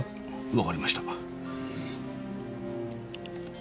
わかりました。